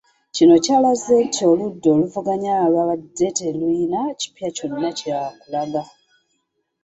Kino kyalaze nti oludda oluvuganya lwabadde terulina kipya kyonna kyakulaga.